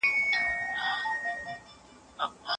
ویل ځه مخته دي ښه سلا مُلاجانه